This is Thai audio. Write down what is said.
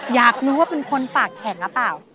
อยากรู้ว่าเป็นคนปากแข็งหรือเปล่า